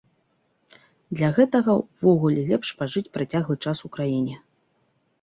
Для гэтага ўвогуле лепш пажыць працяглы час у краіне.